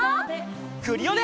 クリオネ！